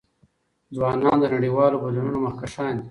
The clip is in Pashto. ځوانان د نړیوالو بدلونونو مخکښان دي.